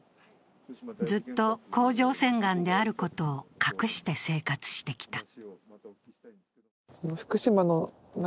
ずっと甲状腺がんであることを隠して生活してきた。